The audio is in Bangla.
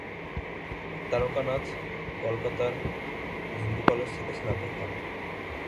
তারকনাথ কলকাতার হিন্দু কলেজ থেকে স্নাতক হন।